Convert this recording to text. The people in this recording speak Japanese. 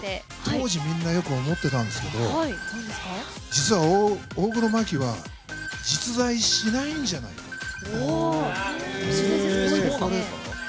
当時みんなよく思っていたんですけど実は、大黒摩季は実在しないんじゃないかと。